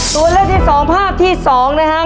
ตัวเล่นที่สองภาพที่สองนะครับ